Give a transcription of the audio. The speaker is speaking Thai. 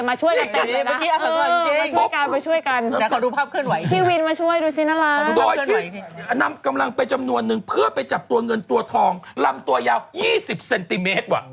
มาช่วยกันเต็มเลยนะมาช่วยกันพี่วินมาช่วยดูสิน้ำล้างน้ำกำลังไปจำนวนหนึ่งเพื่อไปจับตัวเงินตัวทองลำตัวยาว๒๐เซนติเมตรว่ะ